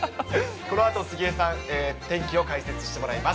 このあと杉江さん、天気を解説してもらいます。